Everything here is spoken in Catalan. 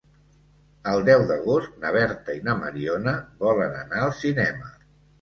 El deu d'agost na Berta i na Mariona volen anar al cinema.